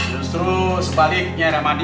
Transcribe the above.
justru sebaliknya remadi